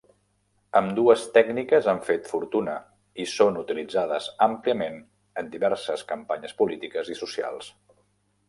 Ambdues tècniques han fet fortuna i són utilitzades àmpliament en diverses campanyes polítiques i socials.